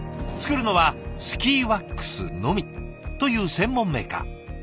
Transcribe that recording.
作るのはスキーワックスのみという専門メーカー。